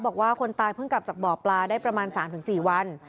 บอกว่าคนตายเพิ่งกลับจากเบาะปลาได้ประมาณ๓๔วัน